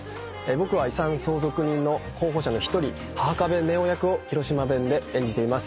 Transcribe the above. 僕は遺産相続人の候補者の１人波々壁新音役を広島弁で演じています。